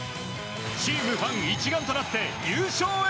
チーム、ファン一丸となって優勝へ。